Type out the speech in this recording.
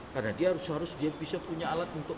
karena dia harus harus bisa punya alat untuk